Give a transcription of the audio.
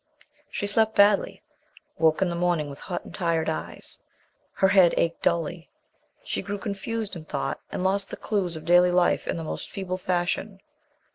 She slept badly; woke in the morning with hot and tired eyes; her head ached dully; she grew confused in thought and lost the clues of daily life in the most feeble fashion.